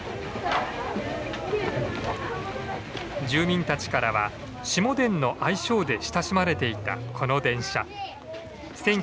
住民たちからは「しもでん」の愛称で親しまれていたこの電車。